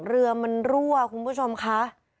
เรือมันรั่วคุณผู้ชมค่ะ